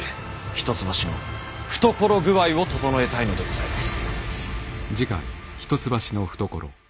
一橋の懐具合をととのえたいのでございます。